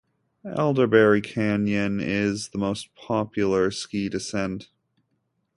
Elderberry canyon is the most popular ski descent.